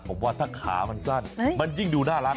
ผมว่าถ้าขามันสั้นมันยิ่งดูน่ารัก